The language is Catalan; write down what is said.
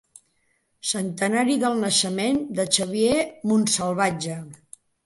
Centenari del naixement de Xavier Montsalvatge.